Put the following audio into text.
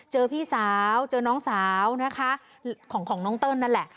พี่สาวเจอน้องสาวนะคะของน้องเติ้ลนั่นแหละ